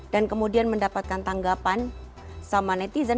dan kemudian mendapatkan tanggapan sama netizen